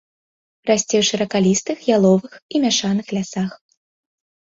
Расце ў шыракалістых, яловых і мяшаных лясах.